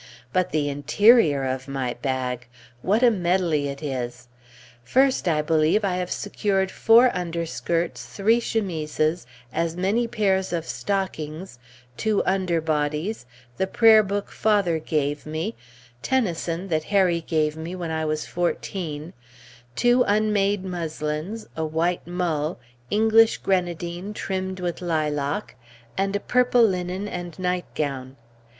But the interior of my bag! what a medley it is! First, I believe, I have secured four underskirts, three chemises, as many pairs of stockings, two under bodies, the prayer book father gave me, "Tennyson" that Harry gave me when I was fourteen, two unmade muslins, a white mull, English grenadine trimmed with lilac, and a purple linen, and nightgown.